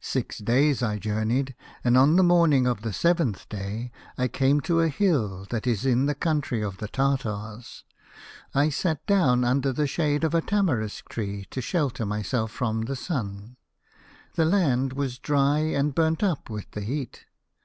Six days I journeyed, and on the morning of the seventh day I came to a hill that is in the country of the Tartars. I sat down under the shade of a 86 The Fisherman and his Soul. tamarisk tree to shelter myself from the sun. The land was dry, and burnt up with the heat.